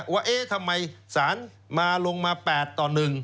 ว่าทำไมสารลงมา๘ต่อ๑